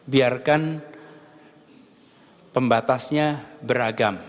biarkan pembatasnya beragam